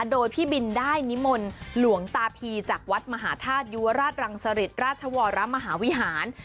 โดยพี่บินได้นิมนต์หลวงตาพีจากวัดมหาธาตุยุวราชรังสริตราชวรมหาวิหาร